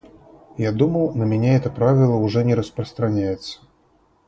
Я думал на меня это правило уже не распространяется.